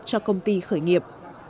cho công ty khởi nghiệp